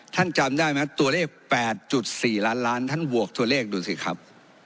จำได้ไหมตัวเลข๘๔ล้านล้านท่านบวกตัวเลขดูสิครับ